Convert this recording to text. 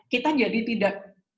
kita jadi tidak